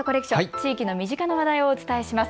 地域の身近な話題をお伝えします。